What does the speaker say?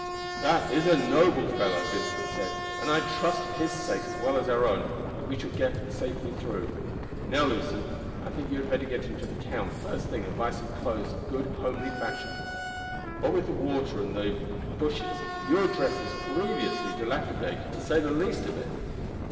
"That is a noble fellow," Vincent said, "and I trust, for his sake as well as our own, that we shall get safely through. Now, Lucy, I think you had better go into the town the first thing and buy some clothes of good homely fashion. What with the water and the bushes your dress is grievously dilapidated, to say the least of it.